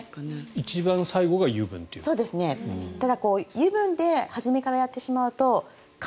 一番最後が油分ということですか。